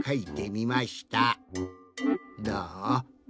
どう？